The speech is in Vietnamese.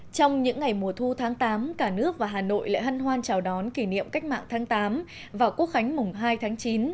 trong những ngày mùa thu tháng tám cả nước và hà nội lại hân hoan chào đón kỷ niệm cách mạng tháng tám và quốc khánh mùng hai tháng chín